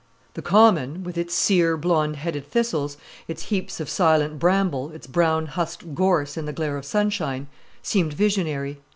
The common, with its sere, blonde headed thistles, its heaps of silent bramble, its brown husked gorse in the glare of sunshine, seemed visionary.